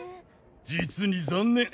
実に残念。